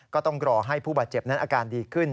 ก็ต้องรอให้ผู้บาดเจ็บนั้นอาการดีขึ้น